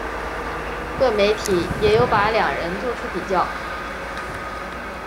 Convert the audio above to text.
各媒体也有把两人作出比较。